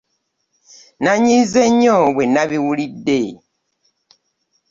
Nanyiize nnyo bwe nabiwulidde.